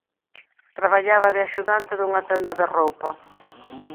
Traballaba de axudante dunha tenda de roupa.